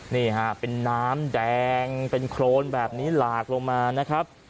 นี่ฮะเป็นน้ำแดงเป็นโครนแบบนี้หลากลงมานะครับ